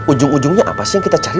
ujung ujungnya apa sih yang kita cari